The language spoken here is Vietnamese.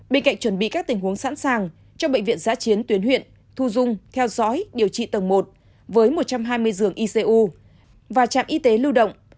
bên cạnh chuẩn bị các tình huống sẵn sàng cho bệnh viện giã chiến tuyến huyện thu dung theo dõi điều trị tầng một với một trăm hai mươi giường icu và trạm y tế lưu động